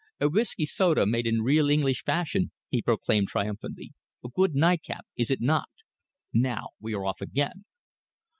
"A whisky soda made in real English fashion," he proclaimed triumphantly. "A good nightcap, is it not? Now we are off again."